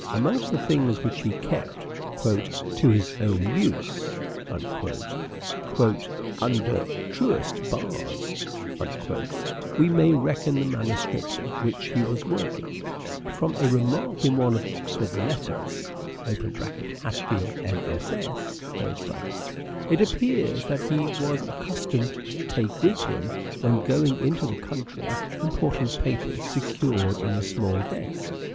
Amongst the things which he kept " to his own use "" under truest bars " we may reckon the manuscripts at which he was working.* From a remark in one of Oxford's letters (Hatfield MSS.) it appears that he was accustomed to take with him, when going into the country, important papers secured in a small desk.